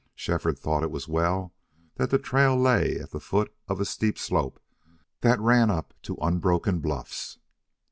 Shefford thought it was well the trail lay at the foot of a steep slope that ran up to unbroken bluffs.